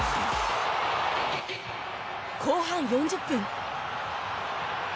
後半４０分。